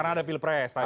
karena ada pilpres tadi